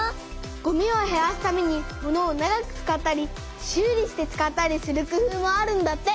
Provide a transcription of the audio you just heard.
ごみをへらすためにものを長く使ったり修理して使ったりする工夫もあるんだって。